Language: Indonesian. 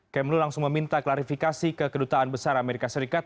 kemlu langsung meminta klarifikasi ke kedutaan besar amerika serikat